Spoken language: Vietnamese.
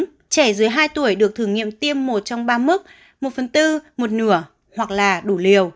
nhưng trẻ dưới hai tuổi được thử nghiệm tiêm một trong ba mức một phần tư một nửa hoặc là đủ liều